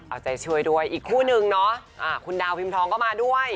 เอาใจช่วยด้วยอีกคู่นึงเนาะคุณดาวพิมทองก็มาด้วย